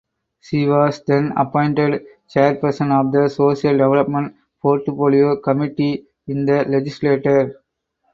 She was then appointed chairperson of the social development portfolio committee in the legislature.